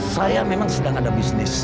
saya memang sedang ada bisnis